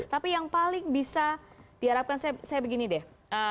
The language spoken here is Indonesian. tapi yang paling bisa diharapkan saya begini deh